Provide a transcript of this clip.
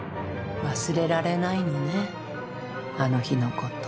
忘れられないのねあの日のこと。